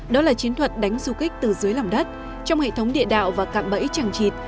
đó là chiến thuật đánh du kích từ dưới lòng đất trong hệ thống địa đạo và cạm bẫy tràng trịt